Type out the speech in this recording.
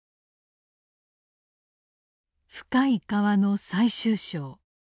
「深い河」の最終章。